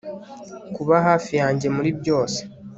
kuba hafi yanjye muri byose